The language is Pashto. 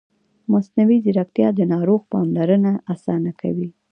مصنوعي ځیرکتیا د ناروغ پاملرنه اسانه کوي.